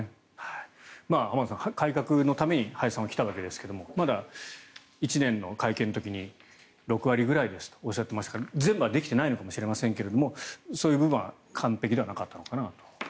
浜田さん、改革のために林さんは来たわけですがまだ１年の会見の時に６割ぐらいとおっしゃっていますから全部はできてないのかもしれませんがそういう部分は完璧ではなかったのかなと。